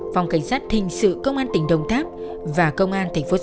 phòng cảnh sát thình sự công an tỉnh đồng tháp và công an tỉnh phố sa đác